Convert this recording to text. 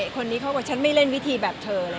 คนนี้เขาก็ฉันไม่เล่นวิธีแบบเธอเลย